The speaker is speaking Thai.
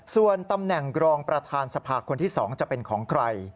ส่วนตำแหน่งรองประธานสภาคนที่๒จะเป็นของใคร